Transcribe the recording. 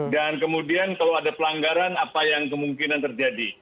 dan kemudian kalau ada pelanggaran apa yang kemungkinan terjadi